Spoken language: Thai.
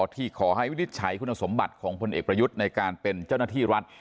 ที่ขอให้วินิจฉัยคุณสมบัติของพลเอกประยุทธ์ในการเป็นเจ้าหน้าที่รัฐ